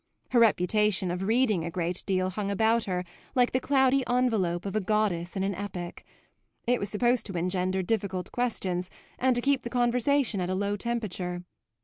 Her reputation of reading a great deal hung about her like the cloudy envelope of a goddess in an epic; it was supposed to engender difficult questions and to keep the conversation at a low temperature.